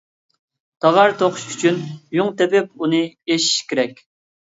تاغار توقۇش ئۈچۈن يۇڭ تېپىپ، ئۇنى ئېشىش كېرەك.